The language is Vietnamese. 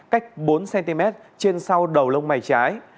cách bốn cm trên sau đầu lông mày trái